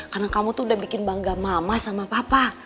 karena kamu tuh udah bikin bangga mama sama papa